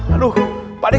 aduh pak deh